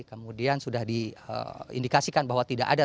kemudian sudah diindikasikan bahwa tidak ada